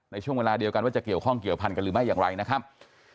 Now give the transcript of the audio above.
ในช่วงเวลาเดียวกันว่าจะเกี่ยวข้องเกี่ยวพันกันหรือไม่อย่างไรนะครับ